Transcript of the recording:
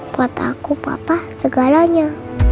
buat aku papa segalanya